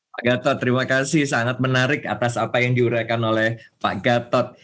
pak gatot terima kasih sangat menarik atas apa yang diuraikan oleh pak gatot